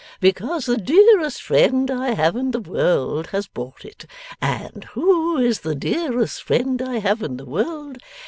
Because the dearest friend I have in the world has bought it. And who is the dearest friend I have in the world?